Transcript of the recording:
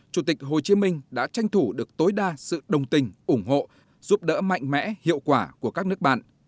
chủ tịch hồ chí minh đã tranh thủ được tối đa sự đồng tình ủng hộ giúp đỡ mạnh mẽ hiệu quả của các nước bạn